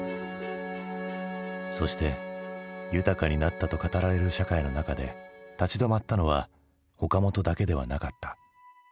そして豊かになったと語られる社会の中で立ち止まったのは岡本だけではなかった。